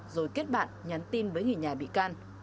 rồi kết bạn nhắn tin với người nhà bị can